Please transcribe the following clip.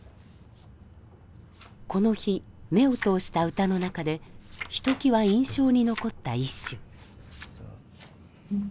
この日目を通した歌の中でひときわ印象に残った一首。